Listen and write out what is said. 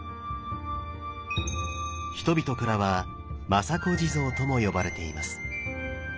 人々からは「政子地蔵」とも呼ばれています。